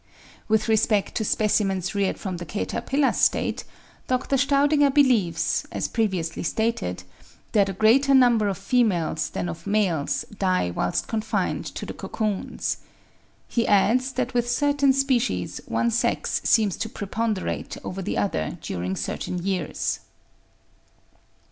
With respect to specimens reared from the caterpillar state, Dr. Staudinger believes, as previously stated, that a greater number of females than of males die whilst confined to the cocoons. He adds that with certain species one sex seems to preponderate over the other during certain years.